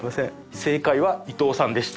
正解は伊藤さんでした。